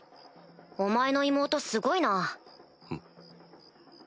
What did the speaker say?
お前の妹すごいな。